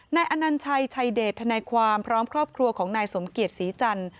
อนัญชัยชัยเดชทนายความพร้อมครอบครัวของนายสมเกียจศรีจันทร์